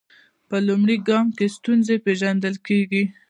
په لومړي ګام کې ستونزه پیژندل کیږي.